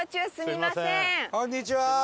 こんにちは！